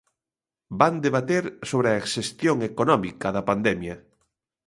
Van debater sobre a xestión económica da pandemia.